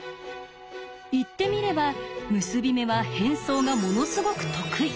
言ってみれば結び目は変装がものすごく得意。